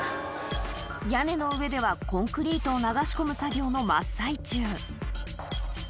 屋根の上ではコンクリートを流し込む作業の真っ最中